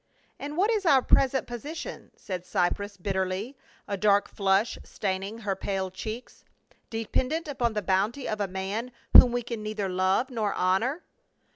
"And what is our present position?" said Cypros bitterly, a dark flush staining her pale cheeks. " De pendent on the bounty of a man whom we can neither love nor honor."